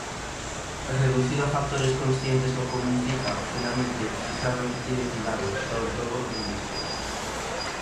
Reducido a factores conscientes o común fica, finalmente, fixado en "identidade", sobre todo, lingüística.